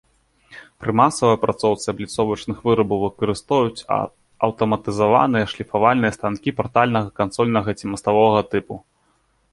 Пры масавай апрацоўцы абліцовачных вырабаў выкарыстоўваюць аўтаматызаваныя шліфавальныя станкі партальнага, кансольнага ці маставога тыпу.